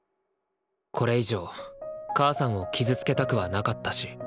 これ以上母さんを傷つけたくはなかったし。